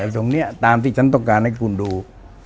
ตรงนี้ตามที่ฉันต้องการให้คุณดู